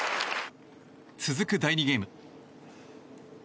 続く第２ゲーム。